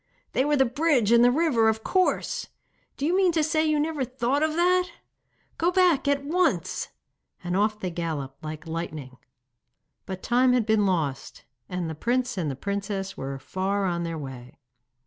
'They were the bridge and the river, of course! Do you mean to say you never thought of that? Go back at once!' and off they galloped like lightning. But time had been lost, and the prince and princess were far on their way.